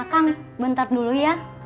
akang bentar dulu ya